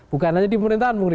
bukan hanya di pemerintahan